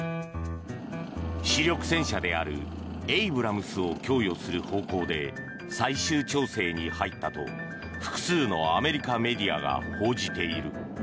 主力戦車であるエイブラムスを供与する方向で最終調整に入ったと複数のアメリカメディアが報じている。